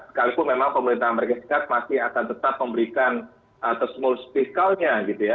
sekalipun memang pemerintah amerika serikat masih akan tetap memberikan atas muls fiskalnya gitu ya